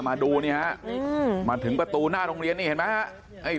มาถึงประตูหน้าโรงเรียนนี่เห็นไหม